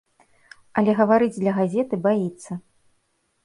Але гаварыць для газеты баіцца.